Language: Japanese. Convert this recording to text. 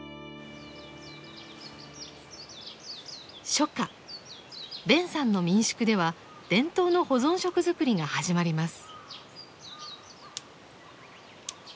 初夏ベンさんの民宿では伝統の保存食作りが始まります。